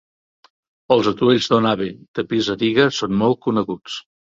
Els atuells "donabe" de pisa d'Iga són molt coneguts.